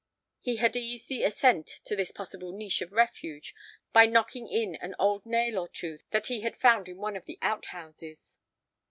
He had eased the ascent to this possible niche of refuge by knocking in an old nail or two that he had found in one of the out houses.